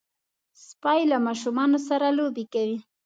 سپي له ماشومانو سره لوبې کوي.